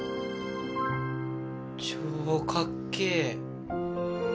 超かっけえ。